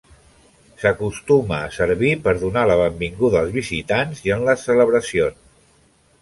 S'acostuma a servir per donar la benvinguda als visitants i en les celebracions.